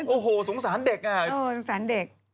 โอ้โหสงสารเด็กอ่ะสงสารเด็ก